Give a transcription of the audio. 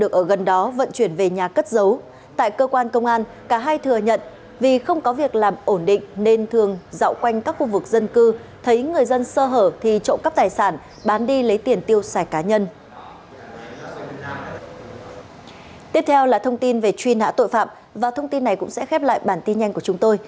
công an huyện quảng sương tỉnh thanh hóa đã ra quyết định truy nã tội phạm và thông tin này cũng sẽ khép lại bản tin nhanh của chúng tôi